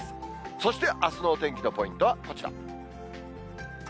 そしてあすのお天気のポイントはこちら。